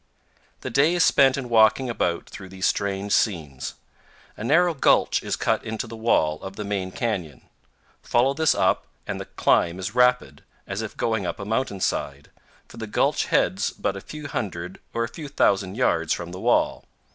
The day is spent in walking about through these strange scenes. A narrow gulch is cut into the wall of the main canyon. Follow this up and the climb is rapid, as if going up a mountain side, for the gulch heads but a few hundred or a few thousand yards from the wall.